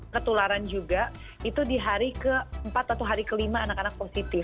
ketularan juga itu di hari keempat atau hari kelima anak anak positif